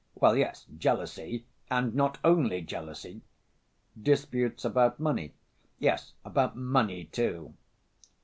"Well, yes, jealousy. And not only jealousy." "Disputes about money?" "Yes, about money, too."